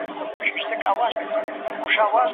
د هغه زوی وزر پر وغوړاوه.